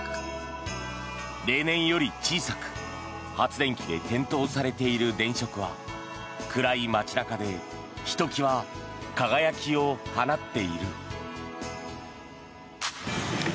例年より小さく発電機で点灯されている電飾は暗い街中でひときわ輝きを放っている。